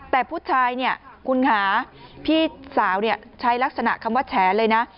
แต่ผู้ชายเนี่ยคุณค่ะพี่สาวใช้ลักษณะคำว่าแฉเลยนะ